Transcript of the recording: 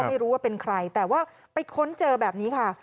ไม่รู้ว่าเป็นใครแต่ว่าไปค้นเจอแบบนี้ค่ะ